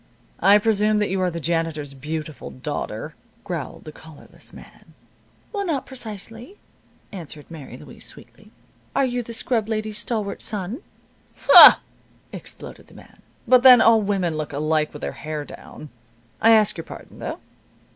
"I presume that you are the janitor's beautiful daughter," growled the collarless man. "Well, not precisely," answered Mary Louise, sweetly. "Are you the scrub lady's stalwart son?" "Ha!" exploded the man. "But then, all women look alike with their hair down. I ask your pardon, though."